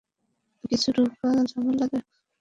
কিছু রূপ ঝামেলাদায়ক।